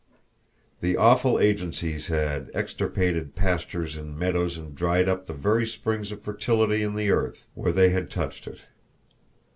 The awful agencies had extirpated pastures and meadows and dried up the very springs of fertility in the earth where they had touched it.